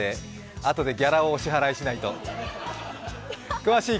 あとでギャラをお支払いしないと。